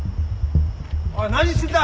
おい何してんだ！